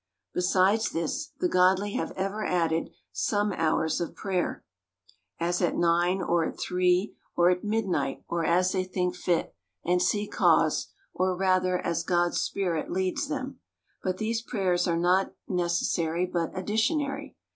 Besides this, the godly have ever added some hours of prayer ; as at nine, or at three, or at mid THE COUNTRY PARSON. 67 night, or as they think fit, and see cause, — or, rather, as God's Spirit leads them. But these prayers are not necessary, but addilionary.